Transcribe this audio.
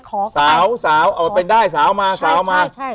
โปรดติดตามต่อไป